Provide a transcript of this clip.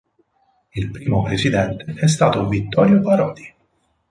Il primo presidente è stato Vittorio Parodi.